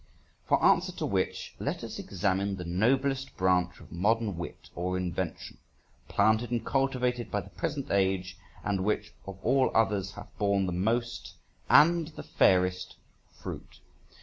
For answer to which, let us examine the noblest branch of modern wit or invention planted and cultivated by the present age, and which of all others hath borne the most and the fairest fruit.